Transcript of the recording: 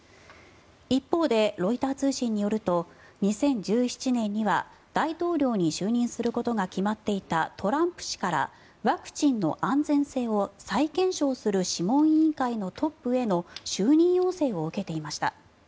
一方でロイター通信によると２０１７年には大統領に就任することが決まっていたトランプ氏からワクチンの安全性を再検証する諮問委員会のトップへの就任要請を受けていました。